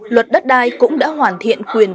luật đất đai cũng đã hoàn thiện quyền